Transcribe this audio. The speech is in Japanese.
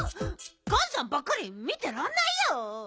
ガンさんばっかり見てらんないよ。